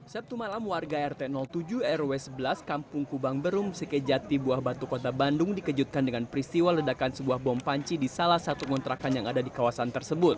sabtu malam warga rt tujuh rw sebelas kampung kubang berum sekejati buah batu kota bandung dikejutkan dengan peristiwa ledakan sebuah bom panci di salah satu kontrakan yang ada di kawasan tersebut